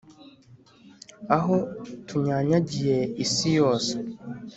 Aho tunyanyagiye isi yose